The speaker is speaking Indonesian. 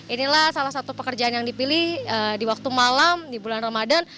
inilah salah satu pekerjaan yang dipilih di waktu malam di bulan ramadan